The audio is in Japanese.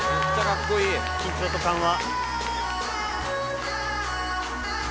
緊張と緩和。